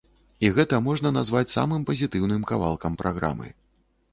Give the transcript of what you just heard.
І гэта можна назваць самым пазітыўным кавалкам праграмы.